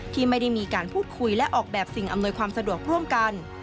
ที่ไม่ได้มีการพูดคุยและออกแบบสิ่งอำนวยความสะดวกร่วมกัน